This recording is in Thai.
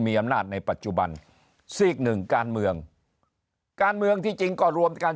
มีอำนาจในปัจจุบันซีกหนึ่งการเมืองการเมืองที่จริงก็รวมกัน